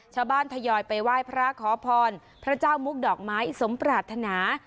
ทยอยไปไหว้พระขอพรพระเจ้ามุกดอกไม้สมปรารถนา